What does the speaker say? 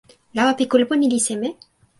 lawa pi kulupu ni li seme?